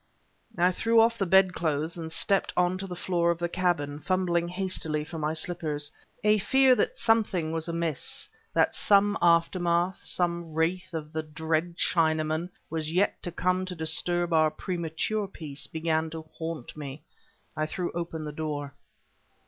I threw off the bedclothes and stepped on to the floor of the cabin, fumbling hastily for my slippers. A fear that something was amiss, that some aftermath, some wraith of the dread Chinaman, was yet to come to disturb our premature peace, began to haunt me. I threw open the door.